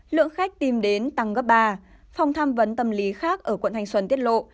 lượng khách tìm đến tăng gấp ba phòng tham vấn tâm lý khác ở quận thanh xuân tiết lộ